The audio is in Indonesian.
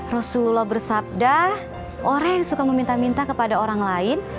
rasulullah bersabda orang yang suka meminta minta kepada orang lain